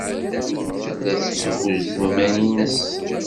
Tella tetthuzzu iman-nnes.